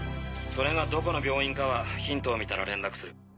それがどこの病院かはヒントを見たら連絡する。